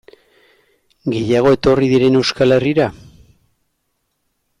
Gehiago etorri diren Euskal Herrira?